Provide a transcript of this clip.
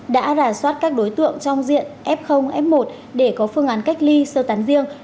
đã rà soát các đối tượng trong diện f f một để có phương án cách ly sơ tán riêng